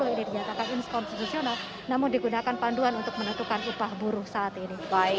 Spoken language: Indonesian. ini dinyatakan inskonstitusional namun digunakan panduan untuk menentukan upah buruh saat ini